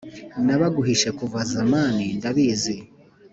nabaguhishe kuva zamani ndabizi